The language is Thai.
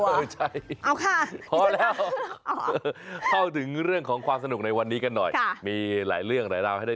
เพราะแล้วเข้าถึงเรื่องของเคลื่อนถักของการความสนุกในวันนี้กันหน่อย